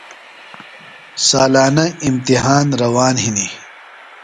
سالانہ اِمتحان روان ہِنیۡ۔